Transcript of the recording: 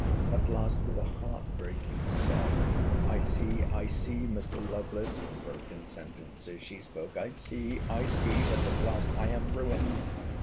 At last, with a heart breaking sob, I see, I see, Mr. Lovelace, in broken sentences she spoke—I see, I see—that at last—I am ruined!